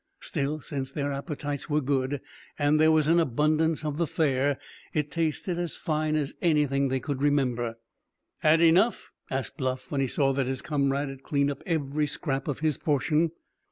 Still, since their appetites were good and there was an abundance of the fare, it tasted as fine as anything they could remember. "Had enough?" asked Bluff, when he saw that his comrade had cleaned up every scrap of his portion.